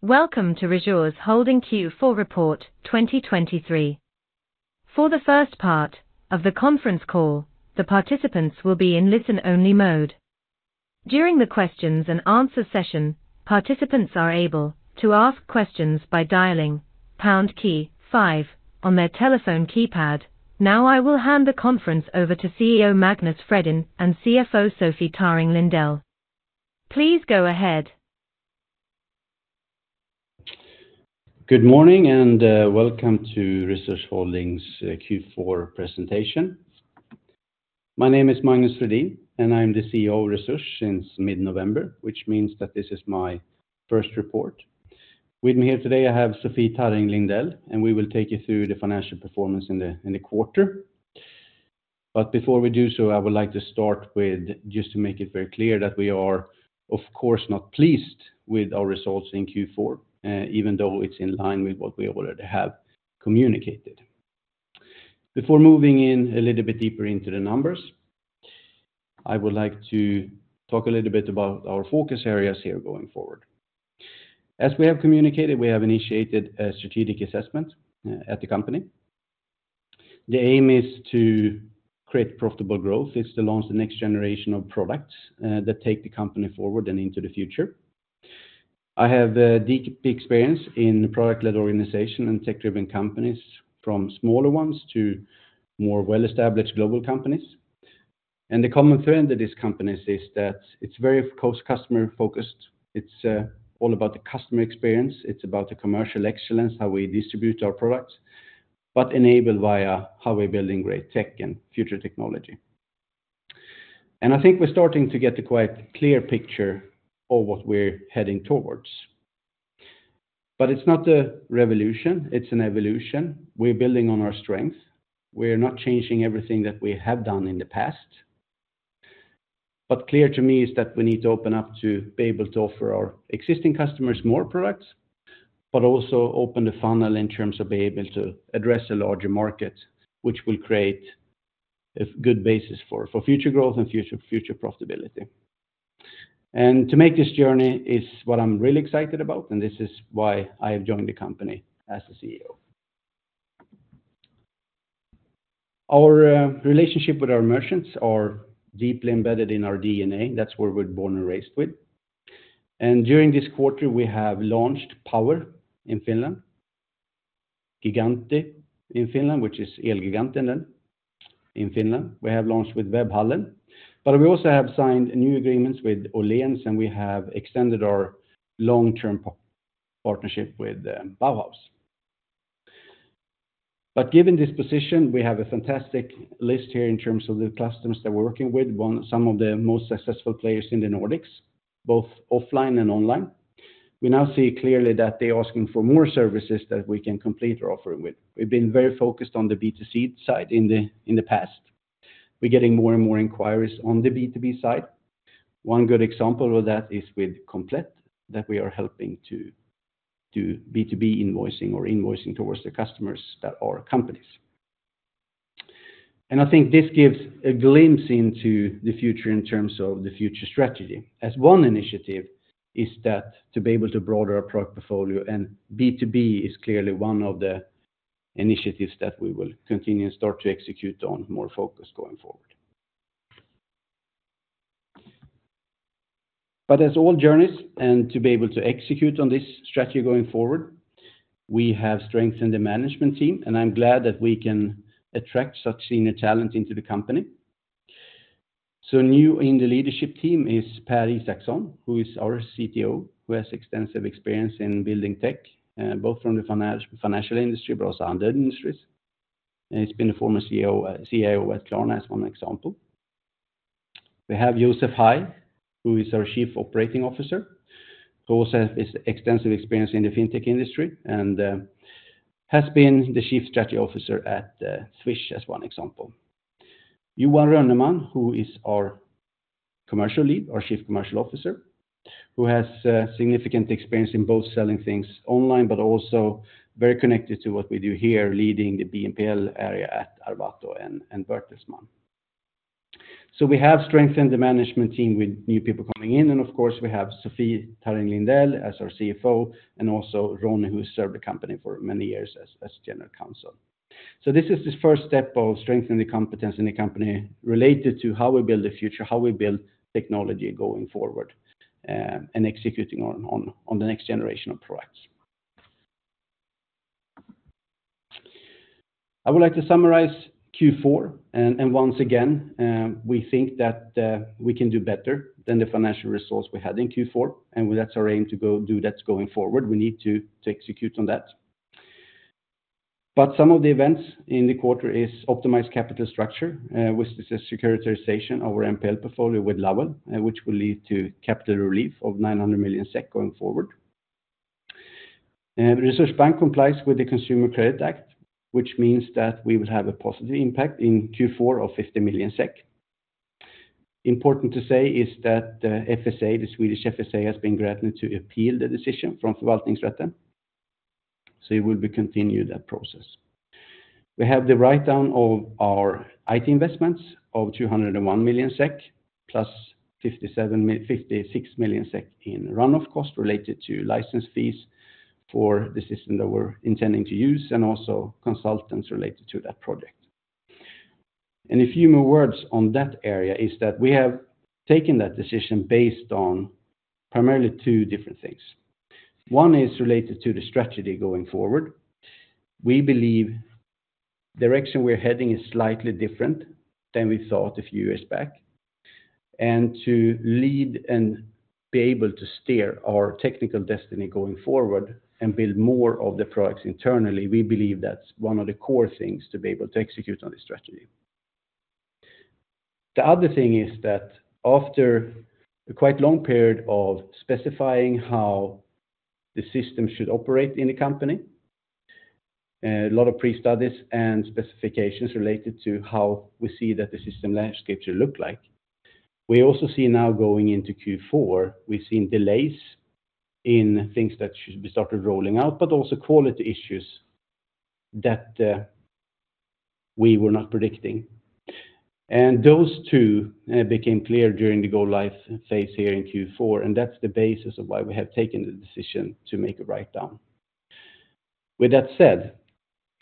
Welcome to Resurs Holding Q4 Report 2023. For the first part of the conference call, the participants will be in listen-only mode. During the questions and answer session, participants are able to ask questions by dialing pound key five on their telephone keypad. Now, I will hand the conference over to CEO Magnus Fredin and CFO Sofie Tarring Lindell. Please go ahead. Good morning, and welcome to Resurs Holding's Q4 presentation. My name is Magnus Fredin, and I'm the CEO of Resurs since mid-November, which means that this is my first report. With me here today, I have Sofie Tarring Lindell, and we will take you through the financial performance in the, in the quarter. But before we do so, I would like to start with, just to make it very clear, that we are, of course, not pleased with our results in Q4, even though it's in line with what we already have communicated. Before moving in a little bit deeper into the numbers, I would like to talk a little bit about our focus areas here going forward. As we have communicated, we have initiated a strategic assessment at the company. The aim is to create profitable growth, is to launch the next generation of products, that take the company forward and into the future. I have, deep experience in product-led organization and tech-driven companies, from smaller ones to more well-established global companies. And the common thread in these companies is that it's very close customer-focused. It's, all about the customer experience, it's about the commercial excellence, how we distribute our products, but enabled via how we're building great tech and future technology. And I think we're starting to get a quite clear picture of what we're heading towards. But it's not a revolution, it's an evolution. We're building on our strength. We're not changing everything that we have done in the past. But clear to me is that we need to open up to be able to offer our existing customers more products, but also open the funnel in terms of being able to address a larger market, which will create a good basis for future growth and future profitability. And to make this journey is what I'm really excited about, and this is why I have joined the company as the CEO. Our relationship with our merchants is deeply embedded in our DNA. That's where we're born and raised with. And during this quarter, we have launched Power in Finland, Gigantti in Finland, which is Elgiganten in Finland. We have launched with Webhallen, but we also have signed new agreements with Åhléns, and we have extended our long-term partnership with Bauhaus. But given this position, we have a fantastic list here in terms of the customers that we're working with, among some of the most successful players in the Nordics, both offline and online. We now see clearly that they're asking for more services that we can complete our offering with. We've been very focused on the B2C side in the past. We're getting more and more inquiries on the B2B side. One good example of that is with Komplett, that we are helping to do B2B invoicing or invoicing towards the customers that are companies. And I think this gives a glimpse into the future in terms of the future strategy, as one initiative is that to be able to broaden our product portfolio, and B2B is clearly one of the initiatives that we will continue and start to execute on more focus going forward. But as all journeys, and to be able to execute on this strategy going forward, we have strengthened the management team, and I'm glad that we can attract such senior talent into the company. So new in the leadership team is Pär Isaksson, who is our CTO, who has extensive experience in building tech, both from the financial, financial industry, but also other industries, and he's been a former CEO, CIO at Klarna, as one example. We have Joseph Hajj, who is our Chief Operating Officer, who also has extensive experience in the fintech industry, and has been the Chief Strategy Officer at Swish, as one example. Johan Rönnerman, who is our Commercial Lead, our Chief Commercial Officer, who has significant experience in both selling things online but also very connected to what we do here, leading the BNPL area at Arvato and, and Bertelsmann. So we have strengthened the management team with new people coming in, and of course, we have Sofie Tarring Lindell as our CFO, and also Ronny, who served the company for many years as General Counsel. So this is the first step of strengthening the competence in the company related to how we build the future, how we build technology going forward, and executing on the next generation of products. I would like to summarize Q4, and once again, we think that we can do better than the financial results we had in Q4, and that's our aim to go do that going forward. We need to execute on that. But some of the events in the quarter is optimized capital structure, with the securitization of our NPL portfolio with Lowell, which will lead to capital relief of 900 million SEK going forward. And Resurs Bank complies with the Consumer Credit Act, which means that we will have a positive impact in Q4 of 50 million SEK. Important to say is that the FSA, the Swedish FSA, has been granted to appeal the decision from Förvaltningsrätten. So it will be continued that process. We have the write-down of our IT investments of 201 million SEK, +56 million SEK in run-off cost related to license fees for the system that we're intending to use, and also consultants related to that project. A few more words on that area is that we have taken that decision based on primarily two different things. One is related to the strategy going forward. We believe direction we're heading is slightly different than we thought a few years back. And to lead and be able to steer our technical destiny going forward and build more of the products internally, we believe that's one of the core things to be able to execute on this strategy. The other thing is that after a quite long period of specifying how the system should operate in the company, a lot of pre-studies and specifications related to how we see that the system landscape should look like, we also see now going into Q4, we've seen delays in things that should be started rolling out, but also quality issues that, we were not predicting. Those two became clear during the go live phase here in Q4, and that's the basis of why we have taken the decision to make a write-down. With that said,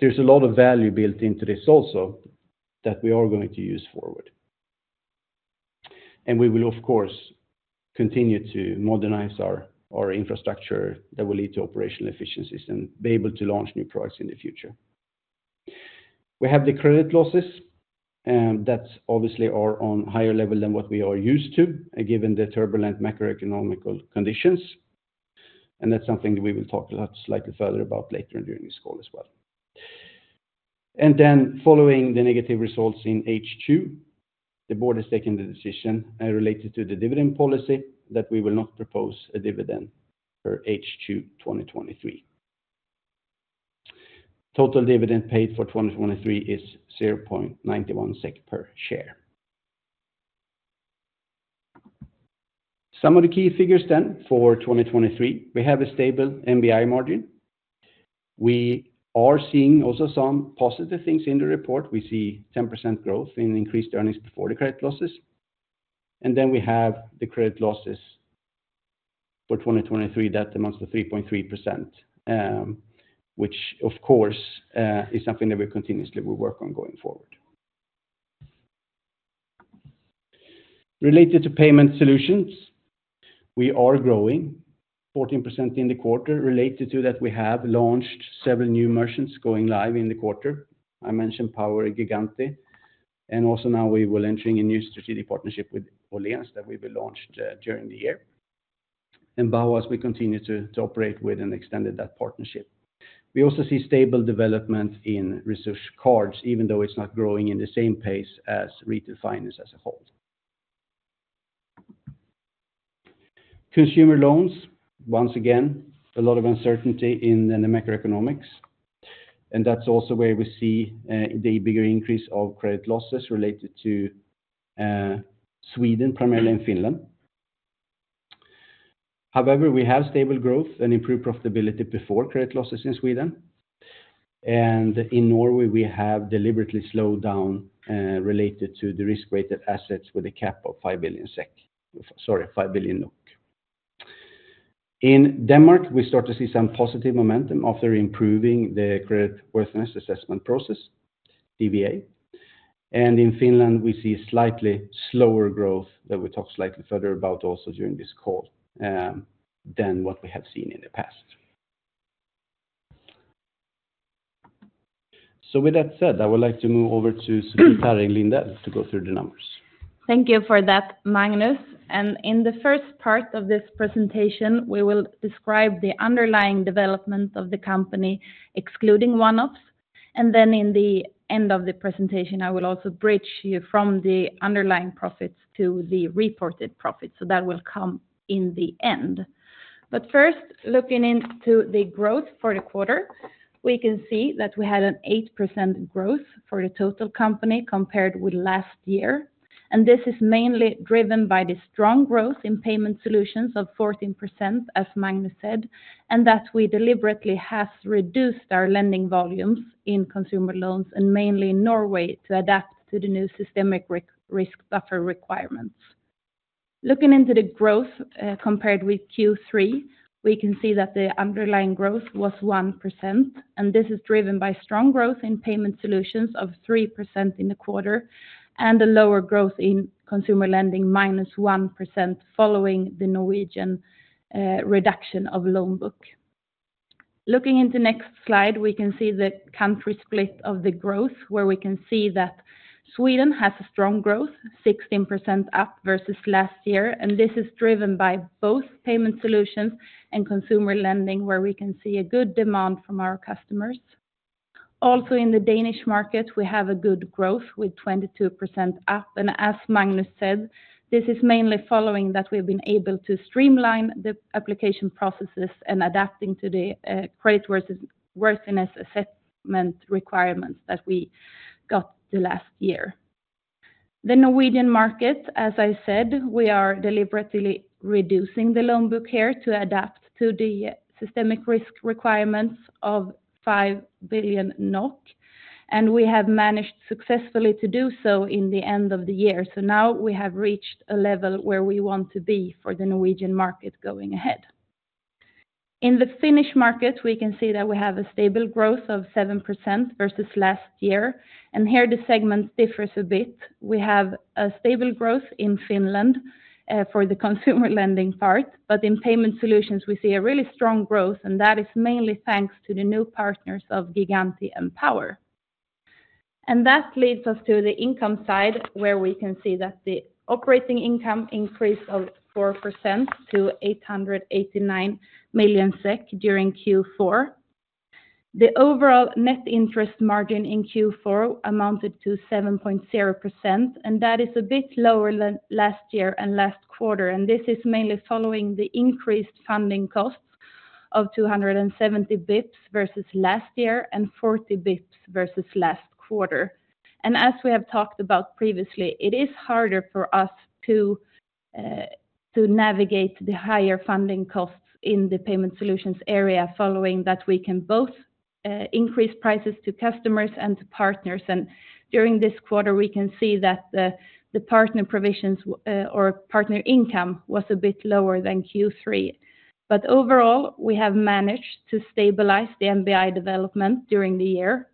there's a lot of value built into this also that we are going to use forward. And we will, of course, continue to modernize our infrastructure that will lead to operational efficiencies and be able to launch new products in the future. We have the credit losses, and that's obviously are on higher level than what we are used to, given the turbulent macroeconomic conditions. And that's something that we will talk a lot slightly further about later during this call as well. And then following the negative results in H2, the board has taken the decision related to the dividend policy, that we will not propose a dividend for H2, 2023. Total dividend paid for 2023 is 0.91 SEK per share. Some of the key figures then for 2023, we have a stable NBI margin. We are seeing also some positive things in the report. We see 10% growth in increased earnings before the credit losses, and then we have the credit losses for 2023, that amongst the 3.3%, which of course, is something that we continuously will work on going forward. Related to Payment Solutions, we are growing 14% in the quarter. Related to that, we have launched several new merchants going live in the quarter. I mentioned Power, Gigantti, and also now we will entering a new strategic partnership with Åhléns, that will be launched, during the year. And Bauhaus as we continue to operate with and extended that partnership. We also see stable development in Resurs Cards, even though it's not growing in the same pace as retail finance as a whole. Consumer loans, once again, a lot of uncertainty in the macroeconomics, and that's also where we see the bigger increase of credit losses related to Sweden, primarily in Finland. However, we have stable growth and improved profitability before credit losses in Sweden. In Norway, we have deliberately slowed down related to the risk-weighted assets with a cap of 5 billion SEK, sorry, 5 billion NOK. In Denmark, we start to see some positive momentum after improving the creditworthiness assessment process, CWA. In Finland, we see slightly slower growth, that we talk slightly further about also during this call, than what we have seen in the past. So with that said, I would like to move over to Sofie Tarring Lindell to go through the numbers. Thank you for that, Magnus. In the first part of this presentation, we will describe the underlying development of the company, excluding one-offs, and then in the end of the presentation, I will also bridge you from the underlying profits to the reported profits. That will come in the end. First, looking into the growth for the quarter, we can see that we had an 8% growth for the total company compared with last year. This is mainly driven by the strong growth in Payment Solutions of 14%, as Magnus said, and that we deliberately have reduced our lending volumes in Consumer Loans, and mainly in Norway, to adapt to the new systemic risk, risk buffer requirements. Looking into the growth, compared with Q3, we can see that the underlying growth was 1%, and this is driven by strong growth in payment solutions of 3% in the quarter, and a lower growth in consumer lending, -1%, following the Norwegian reduction of loan book. Looking in the next slide, we can see the country split of the growth, where we can see that Sweden has a strong growth, 16% up versus last year, and this is driven by both payment solutions and consumer lending, where we can see a good demand from our customers. Also, in the Danish market, we have a good growth with 22% up, and as Magnus said, this is mainly following that we've been able to streamline the application processes and adapting to the creditworthiness assessment requirements that we got the last year. The Norwegian market, as I said, we are deliberately reducing the loan book here to adapt to the systemic risk requirements of 5 billion NOK, and we have managed successfully to do so in the end of the year. So now we have reached a level where we want to be for the Norwegian market going ahead. In the Finnish market, we can see that we have a stable growth of 7% versus last year, and here the segment differs a bit. We have a stable growth in Finland, for the consumer lending part, but in payment solutions, we see a really strong growth, and that is mainly thanks to the new partners of Gigantti and Power. And that leads us to the income side, where we can see that the operating income increase of 4% to 889 million SEK during Q4. The overall net interest margin in Q4 amounted to 7.0%, and that is a bit lower than last year and last quarter. This is mainly following the increased funding costs of 270 basis points versus last year and 40 basis points versus last quarter. As we have talked about previously, it is harder for us to navigate the higher funding costs in the payment solutions area, following that we can both increase prices to customers and to partners. During this quarter, we can see that the partner provisions or partner income was a bit lower than Q3. But overall, we have managed to stabilize the NBI development during the year.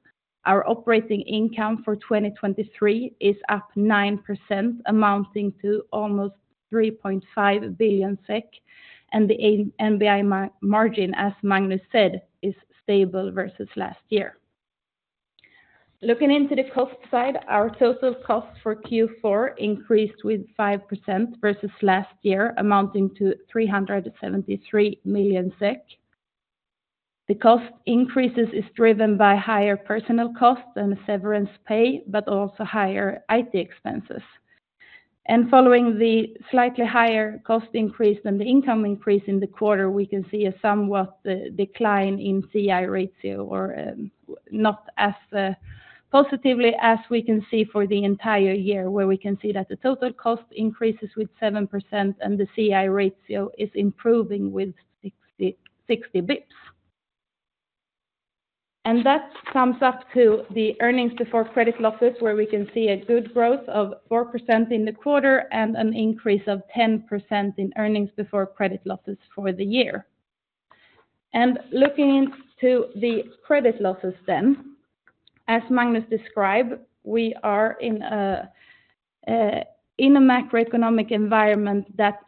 Our operating income for 2023 is up 9%, amounting to almost 3.5 billion SEK, and the NBI margin, as Magnus said, is stable versus last year. Looking into the cost side, our total cost for Q4 increased with 5% versus last year, amounting to 373 million SEK. The cost increases is driven by higher personal costs and severance pay, but also higher IT expenses. Following the slightly higher cost increase than the income increase in the quarter, we can see a somewhat decline in CI ratio or not as positively as we can see for the entire year, where we can see that the total cost increases with 7% and the CI ratio is improving with 60 basis points. And that sums up to the earnings before credit losses, where we can see a good growth of 4% in the quarter and an increase of 10% in earnings before credit losses for the year. And looking into the credit losses then, as Magnus described, we are in a in a macroeconomic environment that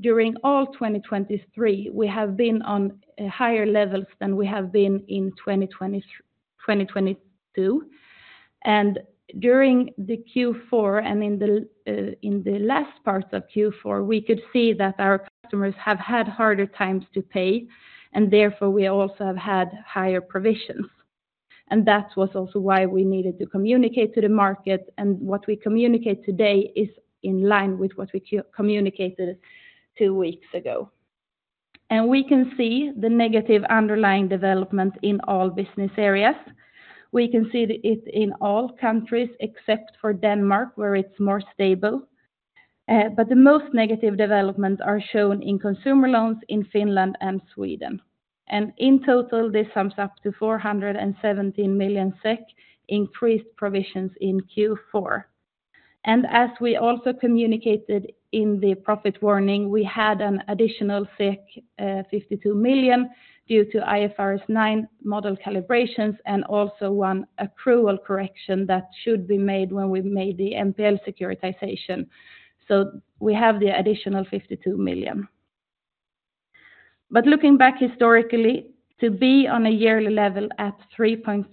during all 2023, we have been on higher levels than we have been in 2020, 2022. And during the Q4 and in the in the last part of Q4, we could see that our customers have had harder times to pay, and therefore, we also have had higher provisions. And that was also why we needed to communicate to the market, and what we communicate today is in line with what we communicated two weeks ago. And we can see the negative underlying development in all business areas. We can see it in all countries except for Denmark, where it's more stable. But the most negative development are shown in consumer loans in Finland and Sweden. And in total, this sums up to 417 million SEK increased provisions in Q4. And as we also communicated in the profit warning, we had an additional 52 million due to IFRS 9 model calibrations, and also one approval correction that should be made when we made the NPL securitization. So we have the additional 52 million. But looking back historically, to be on a yearly level at 3.3%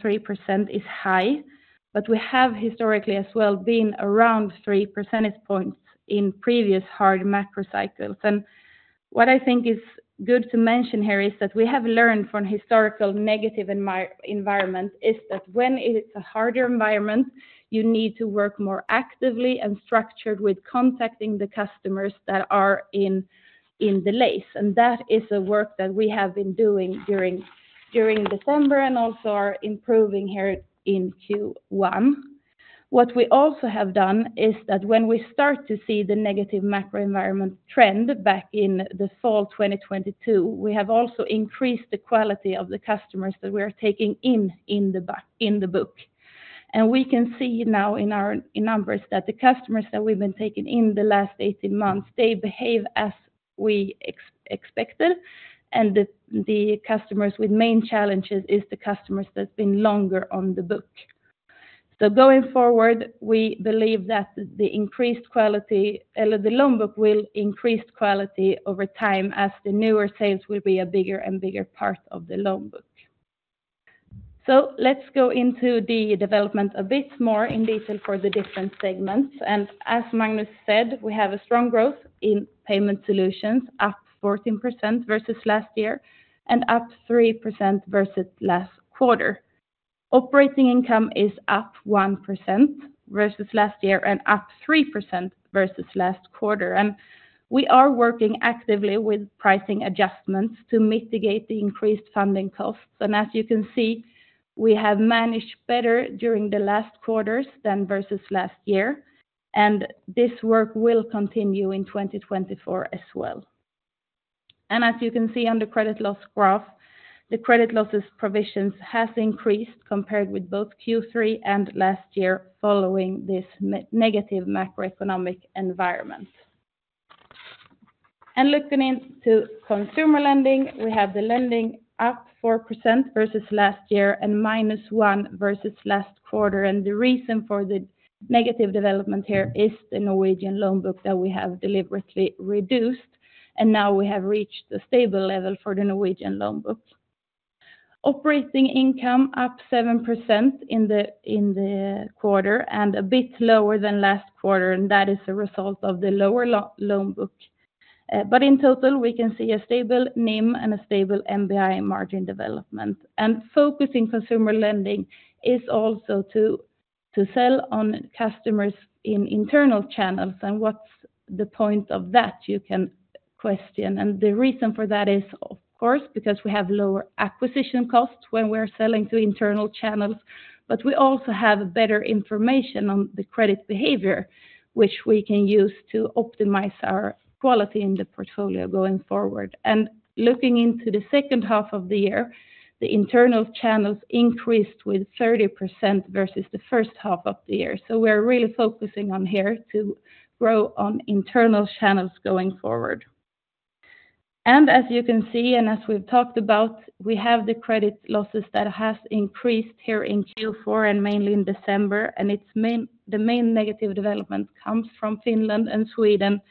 is high, but we have historically as well been around 3 percentage points in previous hard macro cycles. What I think is good to mention here is that we have learned from historical negative environment, is that when it's a harder environment, you need to work more actively and structured with contacting the customers that are in delays. That is the work that we have been doing during December and also are improving here in Q1. What we also have done is that when we start to see the negative macro environment trend back in the fall 2022, we have also increased the quality of the customers that we are taking in the book. We can see now in our numbers that the customers that we've been taking in the last 18 months, they behave as we expected, and the customers with main challenges is the customers that's been longer on the book. So going forward, we believe that the increased quality, the loan book will increase quality over time as the newer sales will be a bigger and bigger part of the loan book. So let's go into the development a bit more in detail for the different segments. And as Magnus said, we have a strong growth in payment solutions, up 14% versus last year and up 3% versus last quarter. Operating income is up 1% versus last year and up 3% versus last quarter. And we are working actively with pricing adjustments to mitigate the increased funding costs. And as you can see, we have managed better during the last quarters than versus last year, and this work will continue in 2024 as well. And as you can see on the credit loss graph, the credit losses provisions has increased compared with both Q3 and last year following this negative macroeconomic environment. And looking into consumer lending, we have the lending up 4% versus last year and -1% versus last quarter, and the reason for the negative development here is the Norwegian loan book that we have deliberately reduced, and now we have reached a stable level for the Norwegian loan book. Operating income up 7% in the quarter and a bit lower than last quarter, and that is a result of the lower loan book. But in total, we can see a stable NIM and a stable NBI margin development. And focusing consumer lending is also to sell on customers in internal channels, and what's the point of that, you can question. The reason for that is, of course, because we have lower acquisition costs when we're selling to internal channels, but we also have better information on the credit behavior, which we can use to optimize our quality in the portfolio going forward. Looking into the second half of the year, the internal channels increased with 30% versus the first half of the year. We're really focusing on here to grow on internal channels going forward. And as you can see, and as we've talked about, we have the credit losses that has increased here in Q4 and mainly in December, and its the main negative development comes from Finland and Sweden,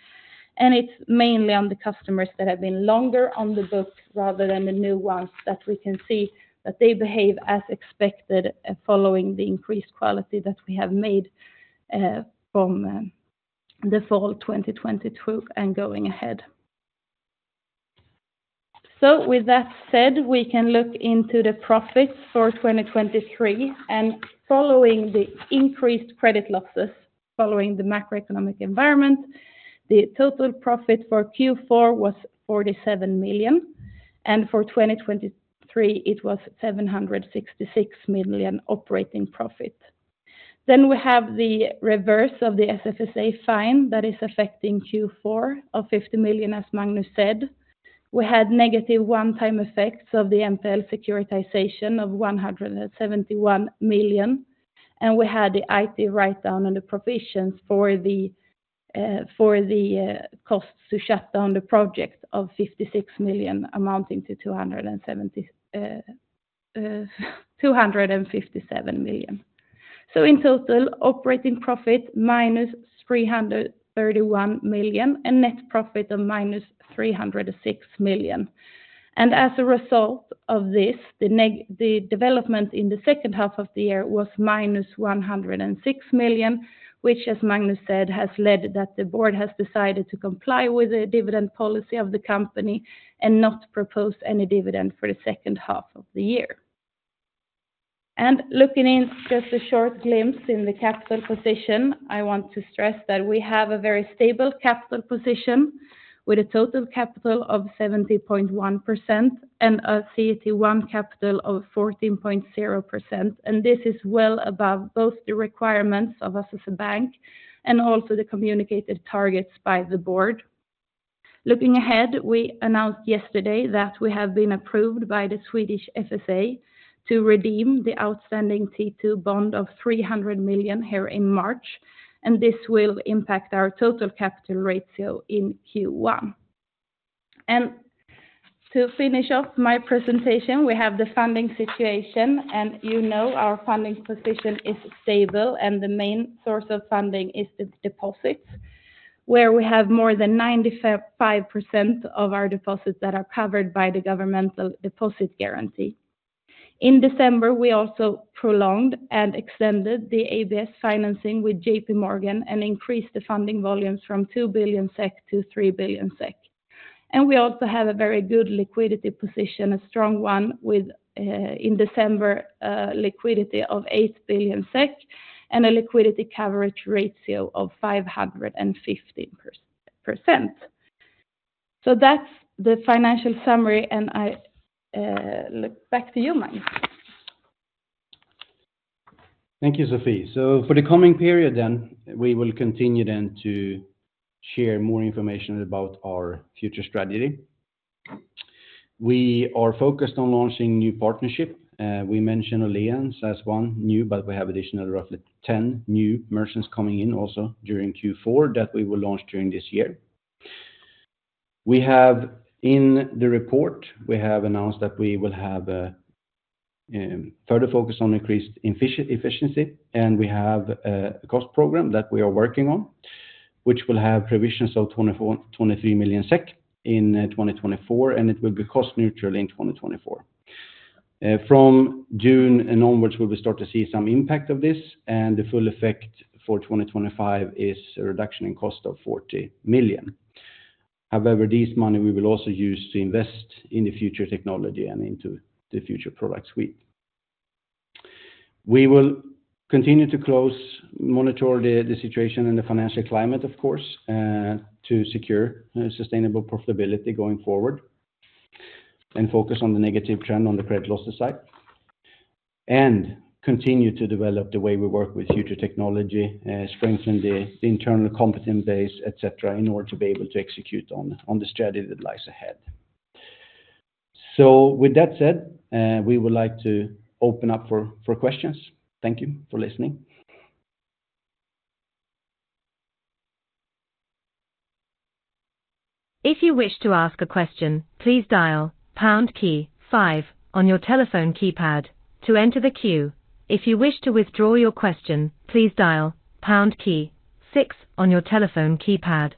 and it's mainly on the customers that have been longer on the book rather than the new ones, that we can see that they behave as expected, following the increased quality that we have made, from the fall 2022 and going ahead. So with that said, we can look into the profits for 2023, and following the increased credit losses, following the macroeconomic environment, the total profit for Q4 was 47 million, and for 2023, it was 766 million operating profit. Then we have the reversal of the FSA fine that is affecting Q4 of 50 million, as Magnus said. We had negative one-time effects of the NPL securitization of 171 million, and we had the IT write-down on the provisions for the, for the, costs to shut down the project of 56 million, amounting to 270, 257 million. So in total, operating profit, -331 million, and net profit of -306 million. And as a result of this, the development in the second half of the year was -106 million, which, as Magnus said, has led that the board has decided to comply with the dividend policy of the company and not propose any dividend for the second half of the year. Looking in just a short glimpse in the capital position, I want to stress that we have a very stable capital position with a total capital of 70.1% and a CET1 capital of 14.0%, and this is well above both the requirements of us as a bank and also the communicated targets by the board. Looking ahead, we announced yesterday that we have been approved by the Swedish FSA to redeem the outstanding T2 bond of 300 million here in March, and this will impact our total capital ratio in Q1. To finish off my presentation, we have the funding situation, and you know our funding position is stable, and the main source of funding is the deposits, where we have more than 95% of our deposits that are covered by the governmental deposit guarantee. In December, we also prolonged and extended the ABS financing with JPMorgan and increased the funding volumes from 2 billion SEK to 3 billion SEK. And we also have a very good liquidity position, a strong one, with, in December, liquidity of 8 billion SEK and a liquidity coverage ratio of 550%. So that's the financial summary, and I, look back to you, Magnus. Thank you, Sofie. For the coming period then, we will continue then to share more information about our future strategy. We are focused on launching new partnership. We mentioned Åhléns as one new, but we have additional, roughly 10 new merchants coming in also during Q4 that we will launch during this year. We have, in the report, we have announced that we will have a further focus on increased efficiency, and we have a cost program that we are working on, which will have provisions of 24, 23 million in 2024, and it will be cost neutral in 2024. From June and onwards, we will start to see some impact of this, and the full effect for 2025 is a reduction in cost of 40 million. However, this money we will also use to invest in the future technology and into the future product suite. We will continue to closely monitor the situation in the financial climate, of course, to secure sustainable profitability going forward... and focus on the negative trend on the credit losses side, and continue to develop the way we work with future technology, strengthen the internal competence base, et cetera, in order to be able to execute on the strategy that lies ahead. So with that said, we would like to open up for questions. Thank you for listening. If you wish to ask a question, please dial pound key five on your telephone keypad to enter the queue. If you wish to withdraw your question, please dial pound key six on your telephone keypad.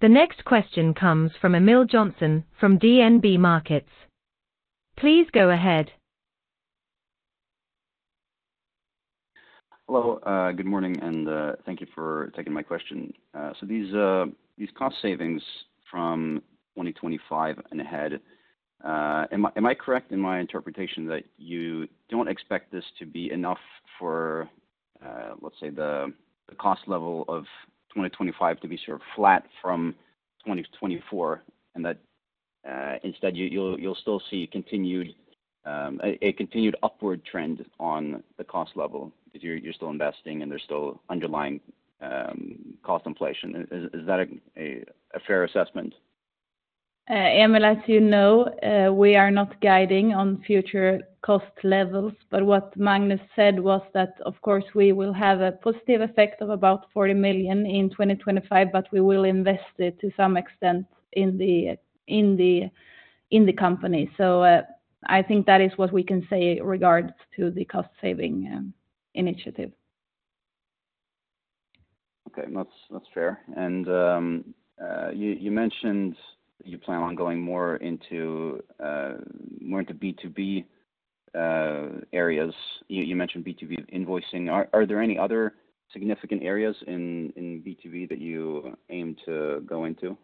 The next question comes from Emil Johnsen from DNB Markets. Please go ahead. Hello, good morning, and thank you for taking my question. So these cost savings from 2025 and ahead, am I correct in my interpretation that you don't expect this to be enough for, let's say, the cost level of 2025 to be sort of flat from 2024, and that, instead, you'll still see continued, a continued upward trend on the cost level? Because you're still investing and there's still underlying cost inflation. Is that a fair assessment? Emil, as you know, we are not guiding on future cost levels, but what Magnus said was that, of course, we will have a positive effect of about 40 million in 2025, but we will invest it to some extent in the, in the, in the company. So, I think that is what we can say regards to the cost-saving initiative. Okay. That's fair. And you mentioned you plan on going more into B2B areas. You mentioned B2B invoicing. Are there any other significant areas in B2B that you aim to go into?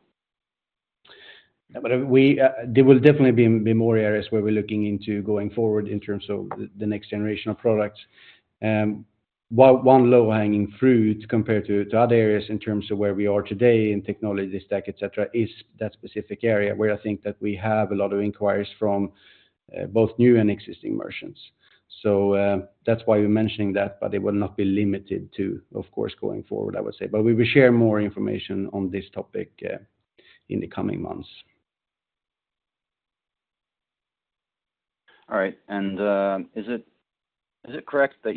But we. There will definitely be more areas where we're looking into going forward in terms of the next generation of products. One low-hanging fruit compared to other areas in terms of where we are today in technology stack, et cetera, is that specific area where I think that we have a lot of inquiries from both new and existing merchants. So, that's why we're mentioning that, but it will not be limited to, of course, going forward, I would say. But we will share more information on this topic in the coming months. All right. Is it correct that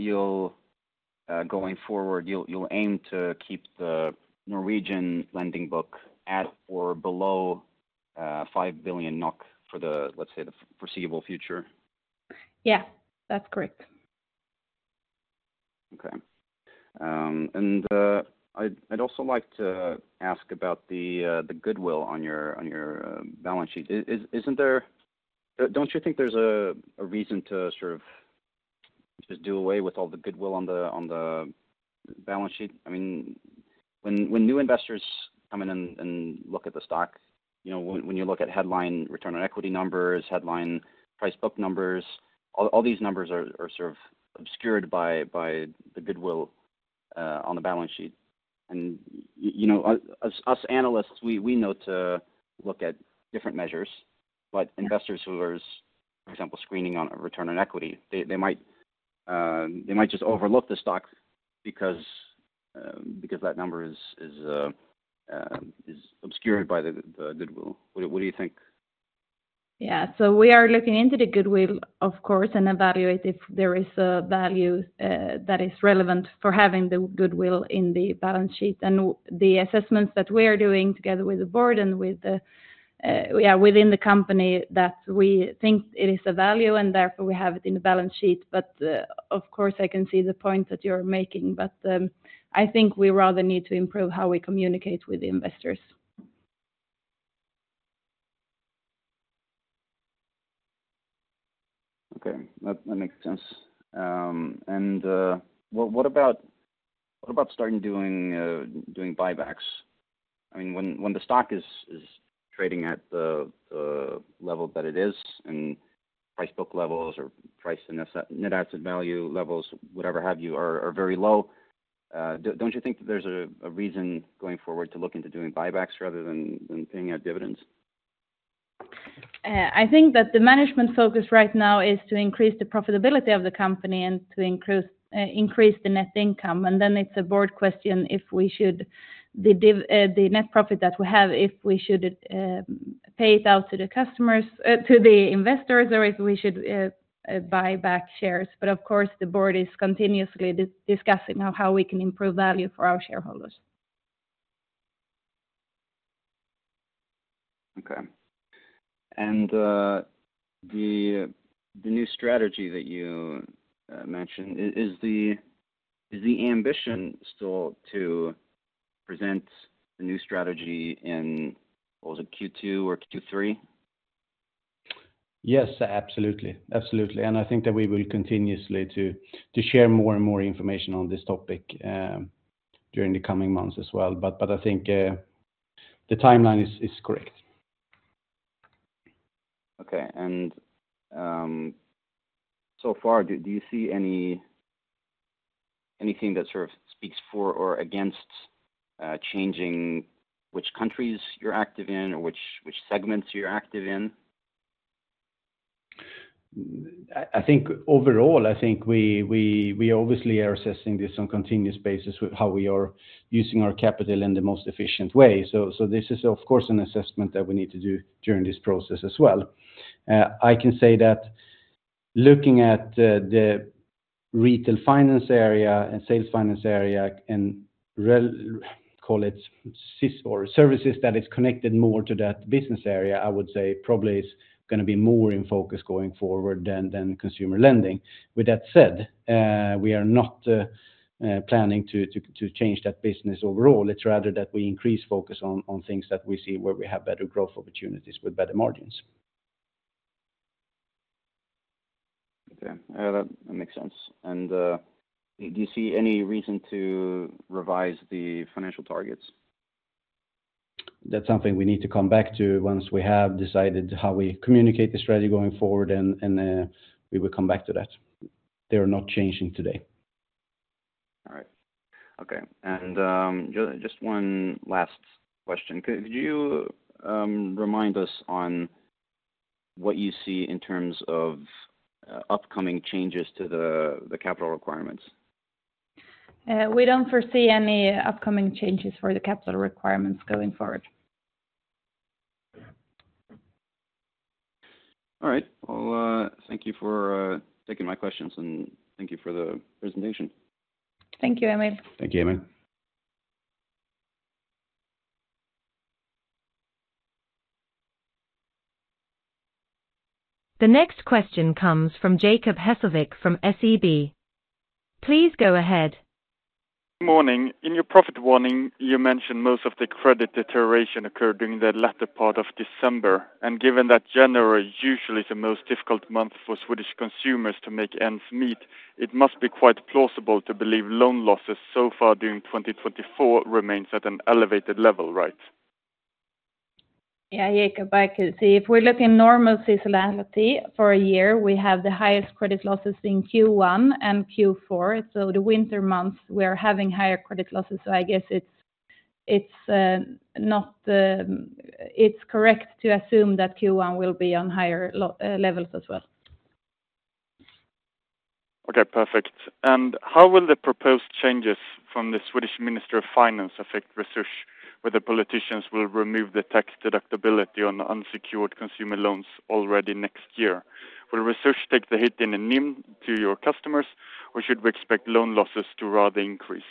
going forward you'll aim to keep the Norwegian lending book at or below 5 billion NOK for the, let's say, the foreseeable future? Yeah, that's correct. Okay. And I'd also like to ask about the goodwill on your balance sheet. Isn't there-- Don't you think there's a reason to sort of just do away with all the goodwill on the balance sheet? I mean, when new investors come in and look at the stock, you know, when you look at headline return on equity numbers, headline price book numbers, all these numbers are sort of obscured by the goodwill on the balance sheet. And you know, us analysts, we know to look at different measures, but investors who are, for example, screening on a return on equity, they might just overlook the stock because that number is obscured by the goodwill. What, what do you think? Yeah. So we are looking into the goodwill, of course, and evaluate if there is a value that is relevant for having the goodwill in the balance sheet. And the assessments that we're doing together with the board and within the company, that we think it is a value, and therefore, we have it in the balance sheet. But, of course, I can see the point that you're making, but I think we rather need to improve how we communicate with the investors. Okay. That makes sense. And, well, what about starting doing buybacks? I mean, when the stock is trading at the level that it is, and price book levels or price and asset—net asset value levels, whatever have you, are very low, don't you think that there's a reason going forward to look into doing buybacks rather than paying out dividends? I think that the management focus right now is to increase the profitability of the company and to increase the net income, and then it's a board question if we should the net profit that we have, if we should pay it out to the customers to the investors, or if we should buy back shares. But of course, the board is continuously discussing on how we can improve value for our shareholders. Okay. And the new strategy that you mentioned, is the ambition still to present the new strategy in, was it Q2 or Q3? Yes, absolutely. Absolutely. And I think that we will continuously to share more and more information on this topic during the coming months as well, but I think the timeline is correct.... Okay, and so far, do you see anything that sort of speaks for or against changing which countries you're active in or which segments you're active in? I think overall, I think we obviously are assessing this on continuous basis with how we are using our capital in the most efficient way. So this is, of course, an assessment that we need to do during this process as well. I can say that looking at the retail finance area and sales finance area, and rel-- call it sys or services, that is connected more to that business area, I would say probably is gonna be more in focus going forward than consumer lending. With that said, we are not planning to change that business overall. It's rather that we increase focus on things that we see where we have better growth opportunities with better margins. Okay. That makes sense. And, do you see any reason to revise the financial targets? That's something we need to come back to once we have decided how we communicate the strategy going forward, and we will come back to that. They are not changing today. All right. Okay, and just one last question. Could you remind us on what you see in terms of upcoming changes to the capital requirements? We don't foresee any upcoming changes for the capital requirements going forward. All right. Well, thank you for taking my questions, and thank you for the presentation. Thank you, Emil. Thank you, Emil. The next question comes from Jacob Hesslevik from SEB. Please go ahead. Morning. In your profit warning, you mentioned most of the credit deterioration occurred during the latter part of December, and given that January usually is the most difficult month for Swedish consumers to make ends meet, it must be quite plausible to believe loan losses so far during 2024 remains at an elevated level, right? Yeah, Jacob, I could see. If we look in normal seasonality for a year, we have the highest credit losses in Q1 and Q4, so the winter months, we are having higher credit losses. So I guess it's correct to assume that Q1 will be on higher levels as well. Okay, perfect. How will the proposed changes from the Swedish Minister of Finance affect Resurs, where the politicians will remove the tax deductibility on unsecured consumer loans already next year? Will Resurs take the hit in the NIM to your customers, or should we expect loan losses to rather increase?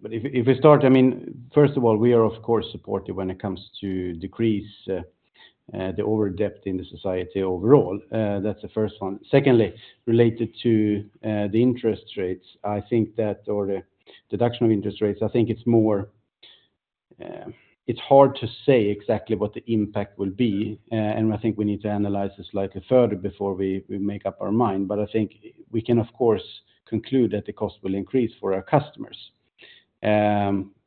But if we start, I mean, first of all, we are, of course, supportive when it comes to decrease the over-indebtedness in the society overall. That's the first one. Secondly, related to the interest rates, I think that or the deduction of interest rates, I think it's more, it's hard to say exactly what the impact will be, and I think we need to analyze this slightly further before we make up our mind. But I think we can, of course, conclude that the cost will increase for our customers.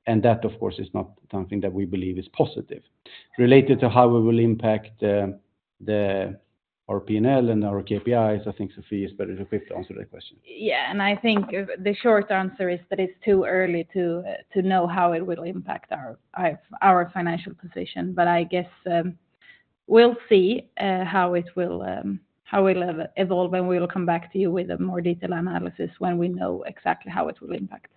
And that, of course, is not something that we believe is positive. Related to how we will impact our P&L and our KPIs, I think Sofie is better equipped to answer that question. Yeah, and I think the short answer is that it's too early to know how it will impact our financial position. But I guess, we'll see how it will evolve, and we will come back to you with a more detailed analysis when we know exactly how it will impact.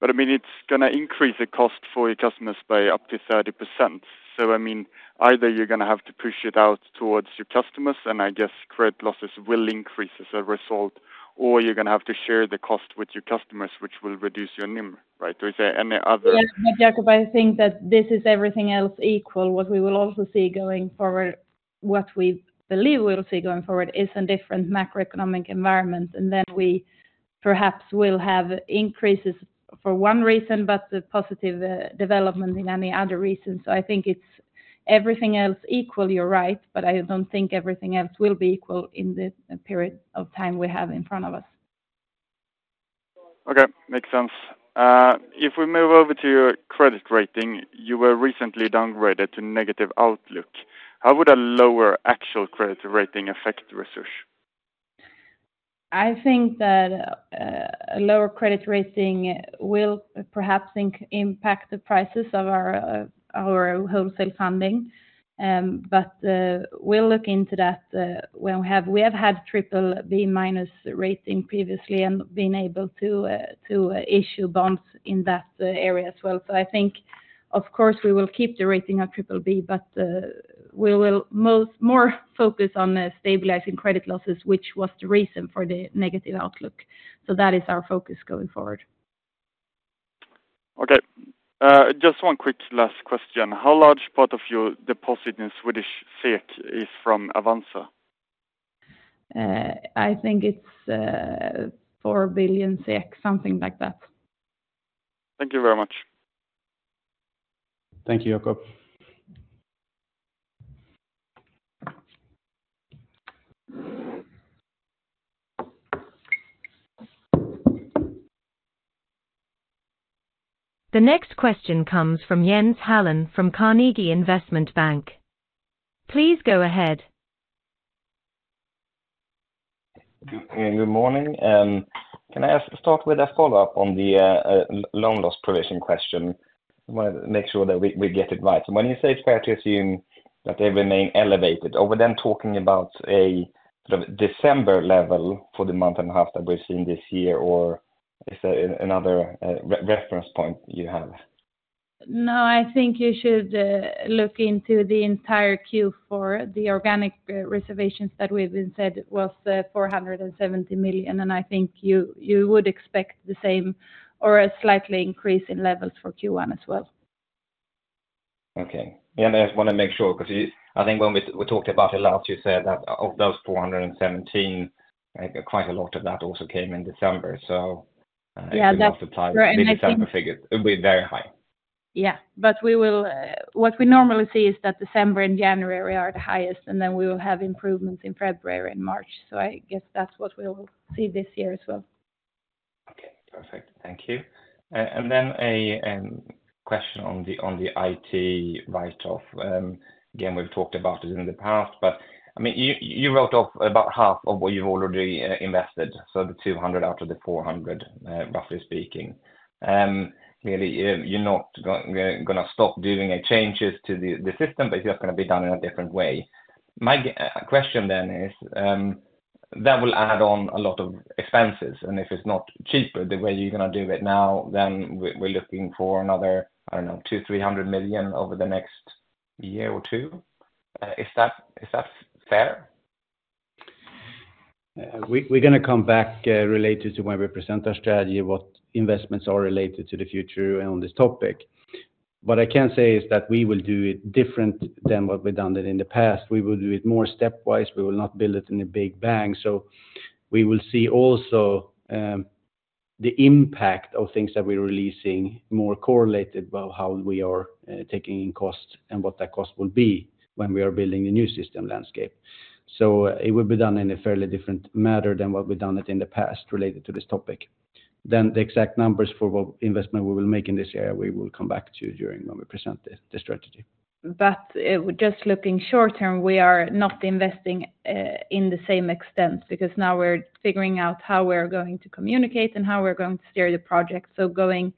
But, I mean, it's gonna increase the cost for your customers by up to 30%. So, I mean, either you're gonna have to push it out towards your customers, and I guess credit losses will increase as a result, or you're gonna have to share the cost with your customers, which will reduce your NIM, right? Do you say any other- Yeah, Jacob, I think that this is everything else equal. What we will also see going forward, what we believe we'll see going forward is a different macroeconomic environment, and then we perhaps will have increases for one reason, but the positive development in any other reason. So I think it's everything else equal, you're right, but I don't think everything else will be equal in the period of time we have in front of us. Okay, makes sense. If we move over to your credit rating, you were recently downgraded to negative outlook. How would a lower actual credit rating affect Resurs? I think that, a lower credit rating will perhaps impact the prices of our, our wholesale funding. But, we'll look into that, when we have... We have had BBB- rating previously and been able to, to issue bonds in that, area as well. So I think, of course, we will keep the rating on BBB, but, we will most more focus on, stabilizing credit losses, which was the reason for the negative outlook. So that is our focus going forward. Okay. Just one quick last question. How large part of your deposit in Swedish SEK is from Avanza? I think it's 4 billion SEK, something like that. Thank you very much. Thank you, Jacob. The next question comes from Jens Hallén from Carnegie Investment Bank. Please go ahead. Good, good morning. Can I ask, start with a follow-up on the loan loss provision question? I want to make sure that we, we get it right. So when you say it's fair to assume that they remain elevated, are we then talking about a sort of December level for the month and a half that we've seen this year, or is there another reference point you have? No, I think you should look into the entire Q4, the organic reservations that we've been said was 470 million, and I think you would expect the same or a slightly increase in levels for Q1 as well. Okay. And I just wanna make sure, 'cause you—I think when we talked about it last, you said that of those 417, quite a lot of that also came in December. So- Yeah, that's-... if you multiply the December figures, it'll be very high. Yeah. But what we normally see is that December and January are the highest, and then we will have improvements in February and March. So I guess that's what we'll see this year as well. Okay, perfect. Thank you. And then a question on the IT write-off. Again, we've talked about it in the past, but, I mean, you wrote off about half of what you've already invested, so the 200 million out of the 400 million, roughly speaking. Really, you're not gonna stop doing changes to the system, but it's just gonna be done in a different way. My question then is, that will add on a lot of expenses, and if it's not cheaper, the way you're gonna do it now, then we're looking for another, I don't know, 200 million-300 million over the next year or two. Is that fair? We, we're gonna come back related to when we present our strategy, what investments are related to the future and on this topic. What I can say is that we will do it different than what we've done it in the past. We will do it more stepwise. We will not build it in a big bang. So we will see also the impact of things that we're releasing more correlated with how we are taking in costs and what that cost will be when we are building the new system landscape. So it will be done in a fairly different manner than what we've done it in the past, related to this topic. Then the exact numbers for what investment we will make in this area, we will come back to you during when we present the strategy. But, just looking short term, we are not investing in the same extent, because now we're figuring out how we're going to communicate and how we're going to steer the project. So going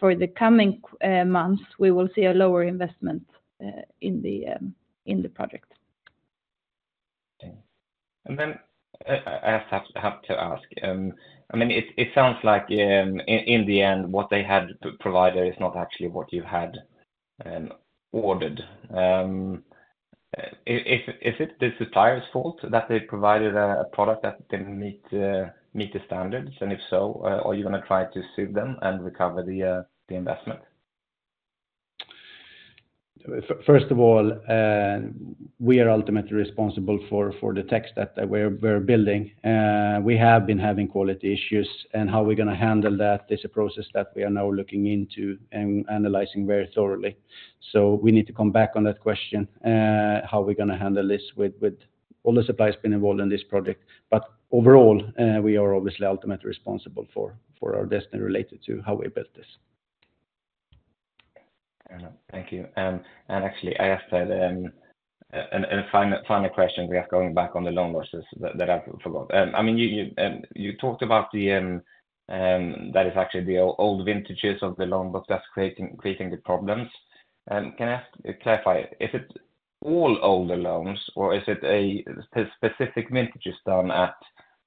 for the coming months, we will see a lower investment in the project. Okay. And then, I have to ask... I mean, it sounds like, in the end, what they had provided is not actually what you had ordered. Is it the supplier's fault that they provided a product that didn't meet the standards? And if so, are you gonna try to sue them and recover the investment? First of all, we are ultimately responsible for the tech that we're building. We have been having quality issues, and how we're gonna handle that is a process that we are now looking into and analyzing very thoroughly. So we need to come back on that question, how we're gonna handle this with all the suppliers been involved in this project. But overall, we are obviously ultimately responsible for our destiny related to how we built this. Thank you. Actually, I asked that, and a final question we have going back on the loan losses that I forgot. I mean, you talked about that, that is actually the old vintages of the loan, but that's creating the problems. Can I ask to clarify, is it all older loans, or is it specific vintages done at,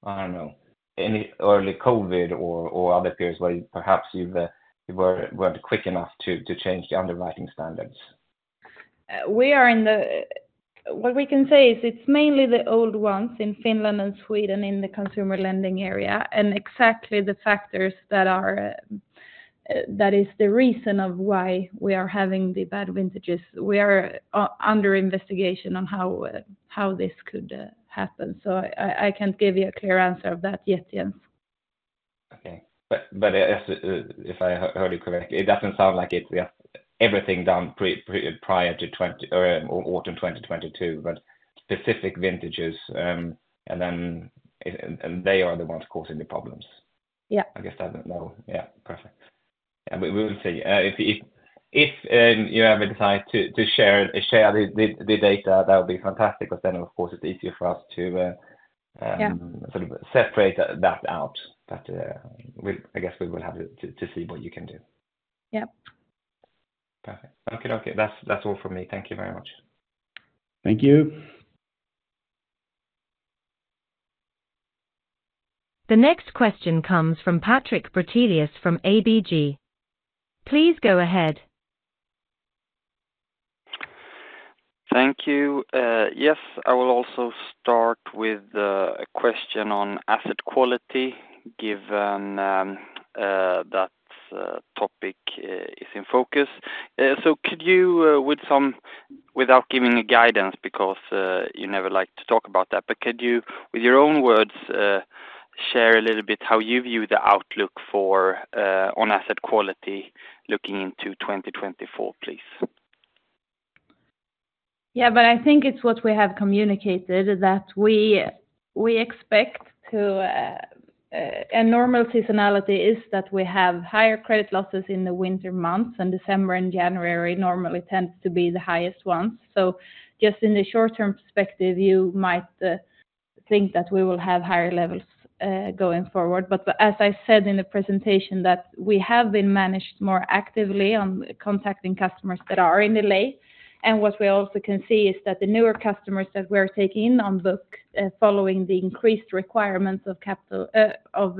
I don't know, any early COVID or other periods where perhaps you weren't quick enough to change the underwriting standards? We are in the... What we can say is it's mainly the old ones in Finland and Sweden in the consumer lending area, and exactly the factors that are, that is the reason of why we are having the bad vintages. We are under investigation on how, how this could happen. So I can't give you a clear answer of that yet, Jens. Okay. But if I heard you correctly, it doesn't sound like it's everything done pre-prior to 2020 or autumn 2022, but specific vintages, and then they are the ones causing the problems. Yeah. I guess that know. Yeah, perfect. We will see. If you ever decide to share the data, that would be fantastic, but then, of course, it's easier for us to- Yeah... sort of separate that out. But, I guess we will have to see what you can do. Yeah. Perfect. Okey-dokey, that's, that's all from me. Thank you very much. Thank you. The next question comes from Patrik Brattelius from ABG. Please go ahead. Thank you. Yes, I will also start with a question on asset quality, given that topic is in focus. So could you, without giving a guidance, because you never like to talk about that, but could you, with your own words, share a little bit how you view the outlook for on asset quality looking into 2024, please?... Yeah, but I think it's what we have communicated, is that we, we expect to, a normal seasonality is that we have higher credit losses in the winter months, and December and January normally tends to be the highest ones. So just in the short-term perspective, you might, think that we will have higher levels, going forward. But, as I said in the presentation, that we have been managed more actively on contacting customers that are in delay. And what we also can see is that the newer customers that we are taking on book, following the increased requirements of capital, of,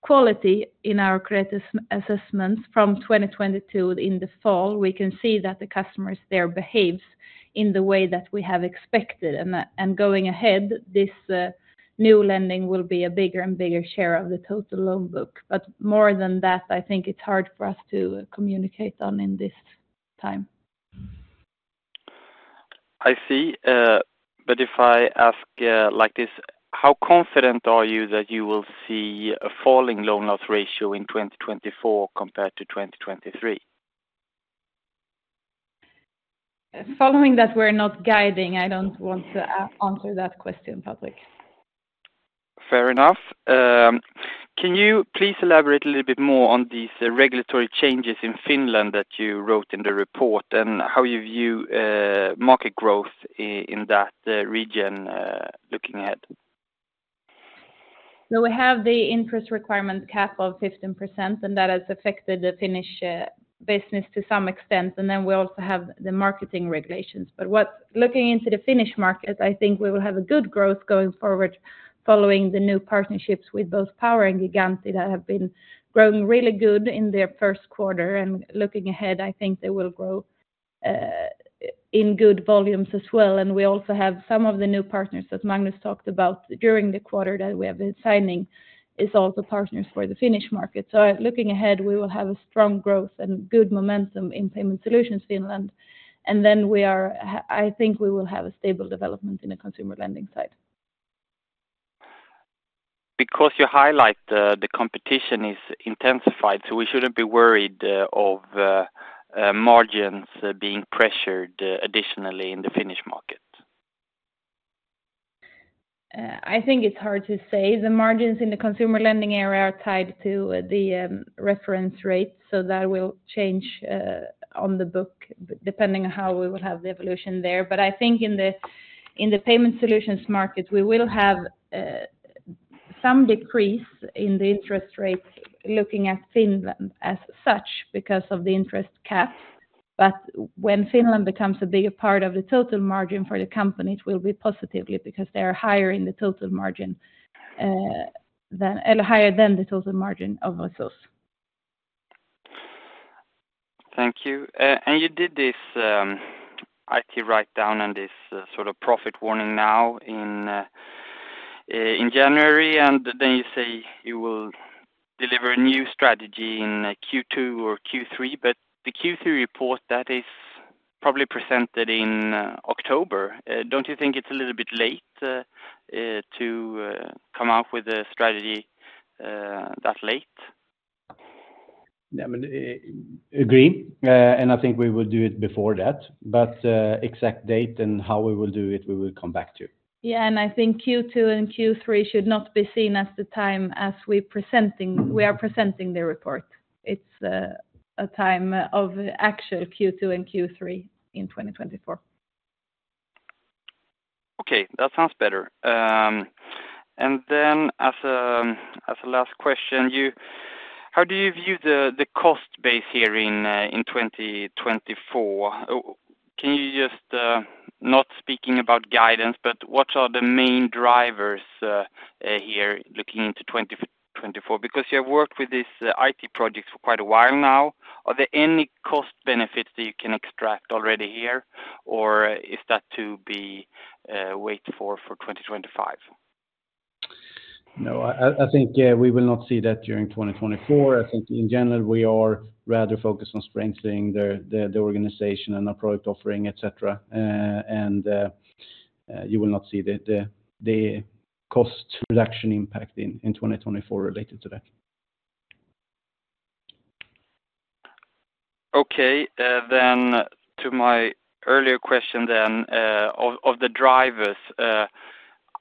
quality in our credit assessments from 2022 in the fall, we can see that the customers there behaves in the way that we have expected. Going ahead, this new lending will be a bigger and bigger share of the total loan book. More than that, I think it's hard for us to communicate on in this time. I see, but if I ask, like this, how confident are you that you will see a falling loan loss ratio in 2024 compared to 2023? Following that, we're not guiding. I don't want to answer that question in public. Fair enough. Can you please elaborate a little bit more on these regulatory changes in Finland that you wrote in the report, and how you view market growth in that region looking ahead? So we have the interest requirement cap of 15%, and that has affected the Finnish business to some extent, and then we also have the marketing regulations. But looking into the Finnish market, I think we will have a good growth going forward following the new partnerships with both Power and Gigantti, that have been growing really good in their first quarter, and looking ahead, I think they will grow in good volumes as well. And we also have some of the new partners, as Magnus talked about, during the quarter that we have been signing, is also partners for the Finnish market. So looking ahead, we will have a strong growth and good momentum in Payment Solutions, Finland. And then we are, I think we will have a stable development in the consumer lending side. Because you highlight, the competition is intensified, so we shouldn't be worried of margins being pressured additionally in the Finnish market. I think it's hard to say. The margins in the consumer lending area are tied to the reference rate, so that will change on the book, depending on how we will have the evolution there. But I think in the Payment Solutions market, we will have some decrease in the interest rate, looking at Finland as such, because of the interest cap. But when Finland becomes a bigger part of the total margin for the company, it will be positively, because they are higher in the total margin than, and higher than the total margin of Resurs. Thank you. And you did this IT writedown and this sort of profit warning now in January, and then you say you will deliver a new strategy in Q2 or Q3, but the Q3 report, that is probably presented in October. Don't you think it's a little bit late to come out with a strategy that late? Yeah, but, agree, and I think we will do it before that, but, exact date and how we will do it, we will come back to you. Yeah, and I think Q2 and Q3 should not be seen as the time as we presenting, we are presenting the report. It's a time of actual Q2 and Q3 in 2024. Okay, that sounds better. And then as a last question, you, how do you view the cost base here in 2024? Can you just, not speaking about guidance, but what are the main drivers here, looking into 2024? Because you have worked with this IT project for quite a while now, are there any cost benefits that you can extract already here, or is that to be waited for, for 2025? No, I think we will not see that during 2024. I think in general, we are rather focused on strengthening the organization and our product offering, et cetera. You will not see the cost reduction impact in 2024 related to that. Okay, then to my earlier question then, of the drivers,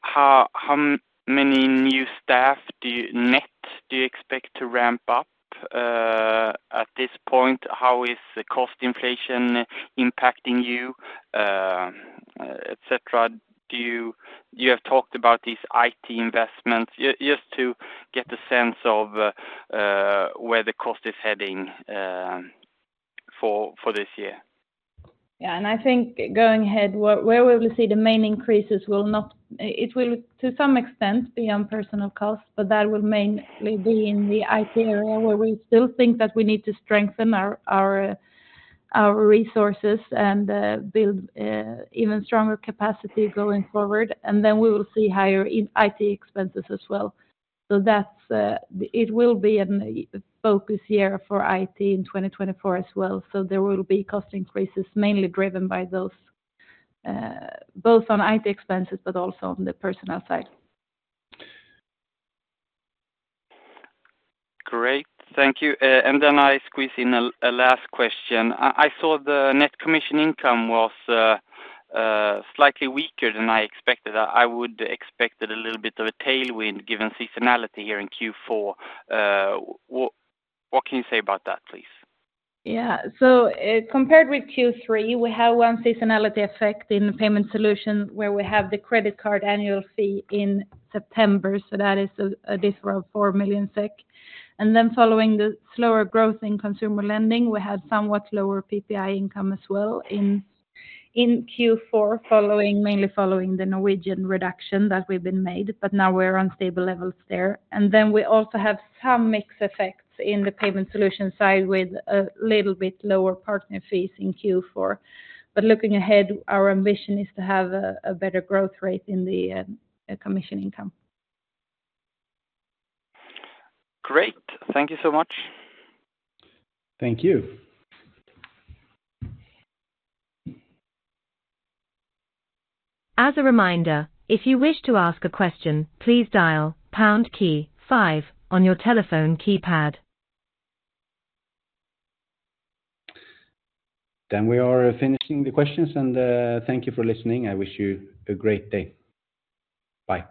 how many new staff do you net, do you expect to ramp up, at this point? How is the cost inflation impacting you, et cetera? Do you. You have talked about these IT investments. Just to get the sense of, where the cost is heading, for this year. Yeah, and I think going ahead, where we will see the main increases will not - It will, to some extent, be on personnel costs, but that will mainly be in the IT area, where we still think that we need to strengthen our resources and build even stronger capacity going forward. And then we will see higher IT expenses as well. So that's it will be a focus area for IT in 2024 as well. So there will be cost increases, mainly driven by those, both on IT expenses, but also on the personnel side. Great, thank you. And then I squeeze in a last question. I saw the net commission income was slightly weaker than I expected. I would expect it a little bit of a tailwind, given seasonality here in Q4. What can you say about that, please? Yeah. So, compared with Q3, we have one seasonality effect in the Payment Solution, where we have the credit card annual fee in September, so that is a diff of 4 million SEK. And then following the slower growth in consumer lending, we had somewhat lower PPI income as well in Q4, following, mainly following the Norwegian reduction that we've been made, but now we're on stable levels there. And then we also have some mix effects in the Payment Solution side, with a little bit lower partner fees in Q4. But looking ahead, our ambition is to have a better growth rate in the commission income. Great. Thank you so much. Thank you. As a reminder, if you wish to ask a question, please dial pound key five on your telephone keypad. Then we are finishing the questions, and thank you for listening. I wish you a great day. Bye. Bye.